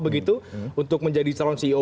begitu untuk menjadi calon ceo